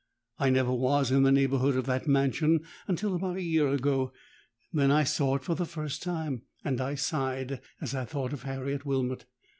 I never was in the neighbourhood of that mansion until about a year ago; then I saw it for the first time, and I sighed as I thought of Harriet Wilmot!